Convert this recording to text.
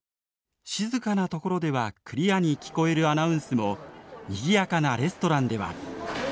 静かなところではクリアに聞こえるアナウンスもにぎやかなレストランでは。